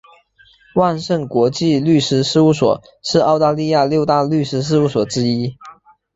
万盛国际律师事务所是澳大利亚六大律师事务所之一。